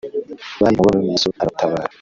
Bari mu mubabaro yesu arabatabara